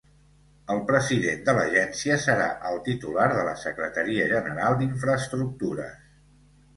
El President de l'Agència serà el titular de la Secretaria General d'Infraestructures.